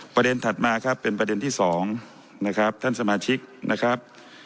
ถัดมาครับเป็นประเด็นที่๒นะครับท่านสมาชิกนะครับ